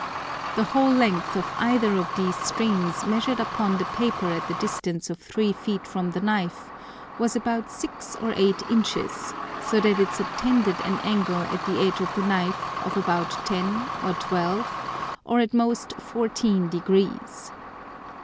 The whole length of either of these streams measured upon the paper at the distance of three Feet from the Knife was about six or eight Inches; so that it subtended an Angle at the edge of the Knife of about 10 or 12, or at most 14 Degrees.